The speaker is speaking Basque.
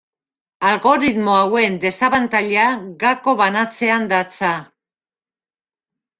Algoritmo hauen desabantaila gako banatzean datza.